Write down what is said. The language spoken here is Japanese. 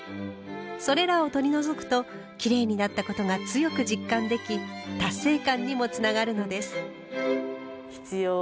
それらを取り除くときれいになったことが強く実感でき達成感にもつながるのです。